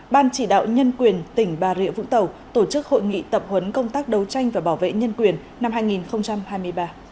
ban chỉ đạo nhân quyền tỉnh bà rịa vũng tàu tổ chức hội nghị tập huấn công tác đấu tranh và bảo vệ nhân quyền năm hai nghìn hai mươi ba